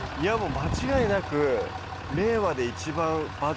間違いなく。